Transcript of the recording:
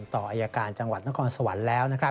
ต่ออายการจังหวัดนครสวรรค์แล้ว